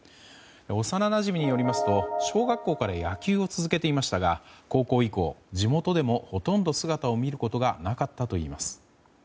幼なじみによりますと小学校から野球を続けていましたが高校以降、地元でもほとんど姿を見ることがなかったといいます。